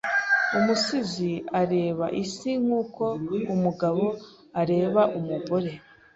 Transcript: Umusizi areba isi nkuko umugabo areba umugore.